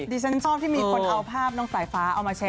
ดิฉันชอบที่มีคนเอาภาพน้องสายฟ้าเอามาแชร์